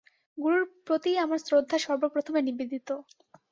গুরুর প্রতিই আমার শ্রদ্ধা সর্বপ্রথমে নিবেদিত।